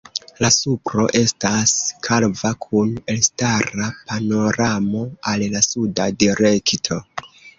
La supro estas kalva kun elstara panoramo al la suda direkto.